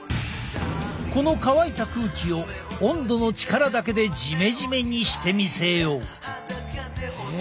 この乾いた空気を温度の力だけでジメジメにしてみせよう。